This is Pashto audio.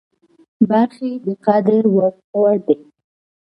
برخې د قدر وړ دي.